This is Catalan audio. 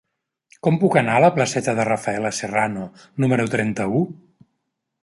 Com puc anar a la placeta de Rafaela Serrano número trenta-u?